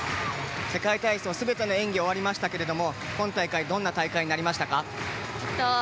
世界体操全ての演技が終わりましたが今大会どんな大会になりましたか？